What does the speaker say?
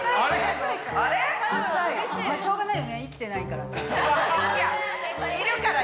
しょうがないよね生きてないからさ。